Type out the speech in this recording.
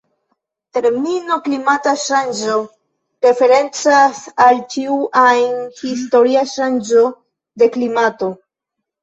Termino klimata ŝanĝo referencas al ĉiu ajn historia ŝanĝo de klimato.